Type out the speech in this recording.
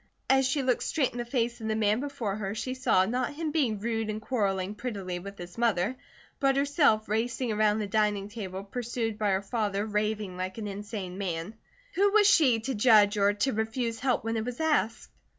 As she looked straight in the face of the man before her she saw, not him being rude and quarrelling pettily with his mother, but herself racing around the dining table pursued by her father raving like an insane man. Who was she to judge or to refuse help when it was asked?